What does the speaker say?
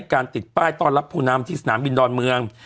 การติดป้ายต้อนรับผู้นำที่สนามบินดอนเมือง